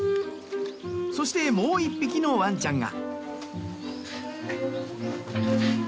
そしてもう１匹のワンちゃんが。